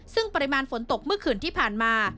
ซึ่งปริมาณฝนตกเมื่อคืนที่ผ่านมา